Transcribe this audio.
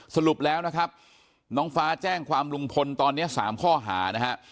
สรุปแล้วนะครับน้องฟ้าแจ้งความลุงพลตอนนี้๓ข้อหานะฮะ